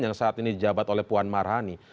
yang saat ini di jabat oleh puan marhani